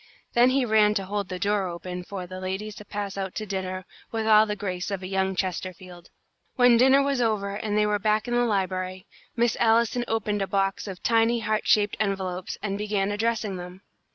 Then he ran to hold the door open for the ladies to pass out to dinner, with all the grace of a young Chesterfield. When dinner was over and they were back in the library, Miss Allison opened a box of tiny heart shaped envelopes, and began addressing them.